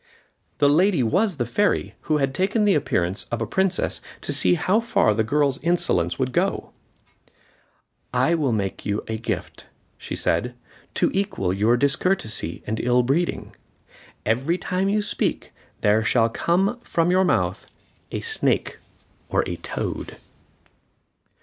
The lady was the fairy, who had taken the appearance of a princess to see how far the girl's insolence would go. "I will make you a gift," she said, "to equal your discourtesy and ill breeding. Every time you speak, there shall come from your mouth a snake or a toad."